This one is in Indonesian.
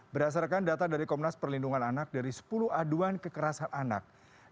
berdasarkan data dari komnas perlindungan anak dari sepuluh aduan kekerasan anak